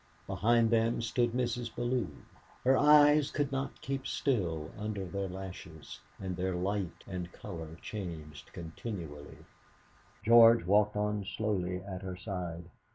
Behind them stood Mrs. Bellew. Her eyes could not keep still under their lashes, and their light and colour changed continually. George walked on slowly at her side.